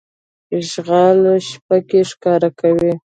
شغال شپه کې ښکار کوي.